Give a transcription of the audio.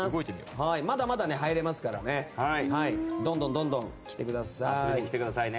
まだまだ入れますからどんどん来てください。